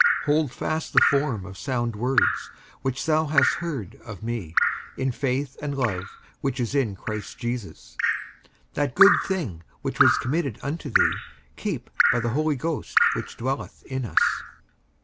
55:001:013 Hold fast the form of sound words, which thou hast heard of me, in faith and love which is in Christ Jesus. 55:001:014 That good thing which was committed unto thee keep by the Holy Ghost which dwelleth in us.